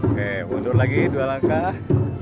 oke mundur lagi dua langkah